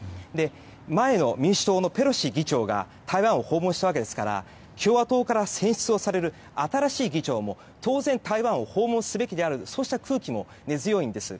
前の民主党のペロシ議長が台湾を訪問したわけですが共和党から選出される新しい議長も当然、台湾を訪問すべきであるという空気も根強いんです。